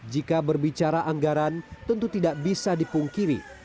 jika berbicara anggaran tentu tidak bisa dipungkiri